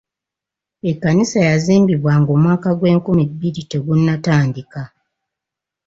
Ekkanisa yazimbibwa ng'omwaka gw'enkumi bbiri tegunatandika.